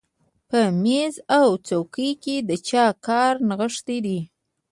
په مېز او څوکۍ کې د چا کار نغښتی دی